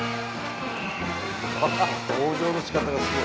登場のしかたがすごい。